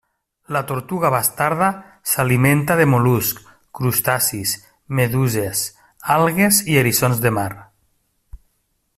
La tortuga bastarda s'alimenta de mol·luscs, crustacis, meduses, algues i eriçons de mar.